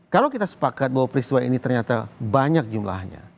kalau kita sepakat bahwa peristiwa ini ternyata banyak jumlahnya